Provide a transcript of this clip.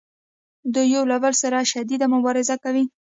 دوی یو له بل سره شدیده مبارزه کوي